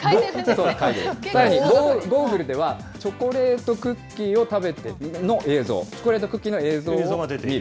ゴーグルでは、チョコレートクッキーを食べている映像、チョコレートクッキーの映像を見る。